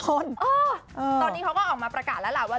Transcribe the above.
ตอนนี้เขาก็ออกมาประกาศแล้วล่ะว่า